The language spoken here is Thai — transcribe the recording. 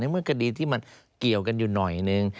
เมื่อคดีที่มันเกี่ยวกันอยู่หน่อยนึง